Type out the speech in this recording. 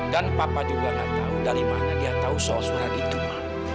dan papa juga gak tahu dari mana dia tahu soal surat itu ma